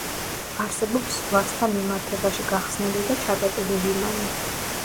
არსებობს ზღვასთან მიმართებაში გახსნილი და ჩაკეტილი ლიმანი.